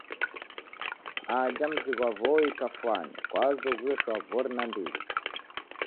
Aja mzinyi W'oi kafwani kwazoghuye shwaw'ori nandighi.